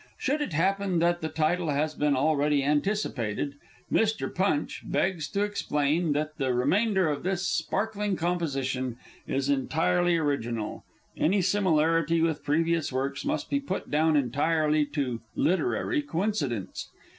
Should it happen that the title has been already anticipated, Mr. Punch begs to explain that the remainder of this sparkling composition is entirely original; any similarity with previous works must be put down entirely to "literary coincidence."